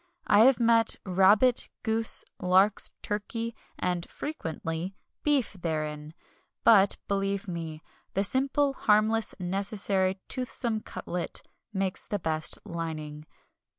I have met rabbit, goose, larks, turkey, and (frequently) beef therein; but, believe me, the simple, harmless, necessary, toothsome cutlet makes the best lining.